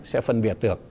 sẽ phân biệt được